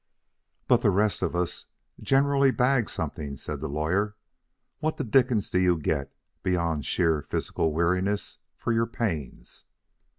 "But the rest of us generally bag something," said the Lawyer. "What the dickens do you get beyond sheer physical weariness for your pains?"